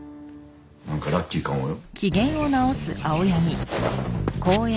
なんかラッキーかもよ。